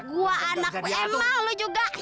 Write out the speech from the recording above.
gua anak emang lu juga